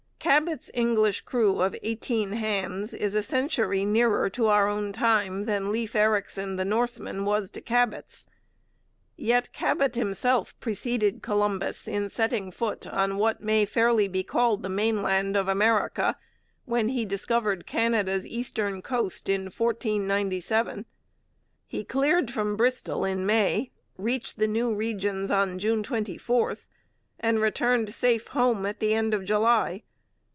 Cabot's English crew of eighteen hands is a century nearer to our own time than Leif Ericson the Norseman was to Cabot's. Yet Cabot himself preceded Columbus in setting foot on what may fairly be called the mainland of America when he discovered Canada's eastern coast in 1497. He cleared from Bristol in May, reached the new regions on June 24, and returned safe home at the end of July.